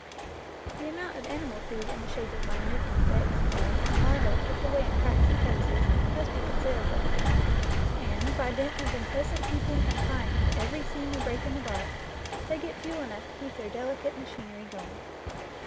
The amount of ani mal food in the shape of minute insects, eggs, and larvae tucked away in cracks and crevices must be considerable, and, by dint of incessant peeping and prying into every seam and break in the bark, they get fuel enough to keep their delicate machinery going.